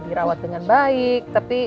dirawat dengan baik tapi